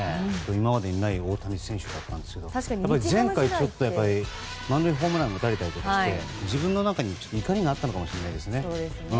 今までにない大谷翔平だったんですが前回、満塁ホームランを打たれたりして自分の中に怒りがあったのかもしれませんね。